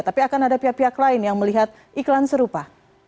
tapi akan ada pihak pihak lain yang melihat iklan serupa